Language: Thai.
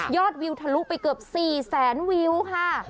ยอดวิวทะลุไปเกือบ๔๐๐๐๐๐วิวค่ะ